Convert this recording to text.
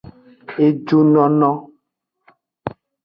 Ejunono.